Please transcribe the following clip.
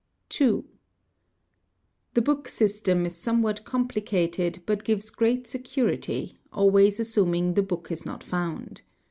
2. The book system is somewhat complicated but gives great security, always assuming the book is not found.